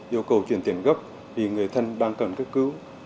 yêu cầu chuyển tiền gấp vì người thân đang cần cứu